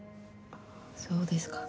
そうですか。